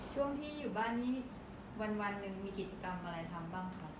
ช่วงที่อยู่บ้านนี่วันหนึ่งมีกิจกรรมอะไรทำบ้างคะ